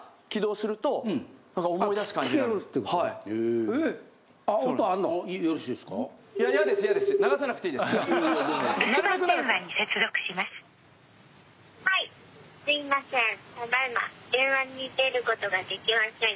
すいません。